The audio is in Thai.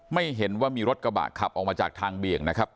ไม่เห็นว่ามีรถกระบะขับออกมาจากทางเบี่ยงนะครับ